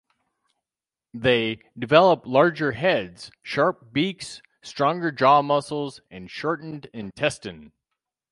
They "develop larger heads, sharp beaks, stronger jaw muscles, and shortened intestine".